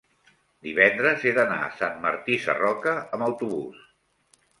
divendres he d'anar a Sant Martí Sarroca amb autobús.